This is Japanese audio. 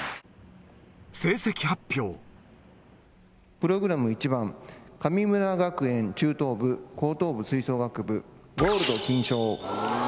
プログラム１番、神村学園中等部・高等部吹奏楽部、ゴールド金賞。